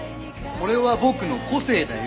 これは僕の個性だよ。